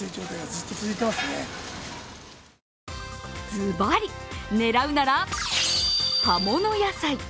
ズバリ、狙うなら葉物野菜。